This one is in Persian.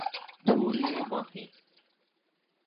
توری ماهی